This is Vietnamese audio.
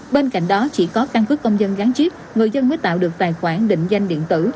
bên cạnh đó chỉ có căn cứ công dân gắn chip người dân mới tạo được tài khoản định danh điện tử